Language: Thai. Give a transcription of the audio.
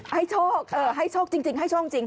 ให้โชคเอ่อให้โชคจริงให้ช่องจริง